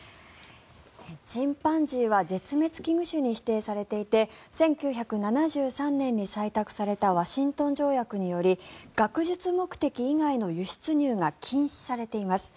チンパンジーは絶滅危惧種に指定されていて１９７３年に採択されたワシントン条約により学術目的以外の輸出入が禁止されています。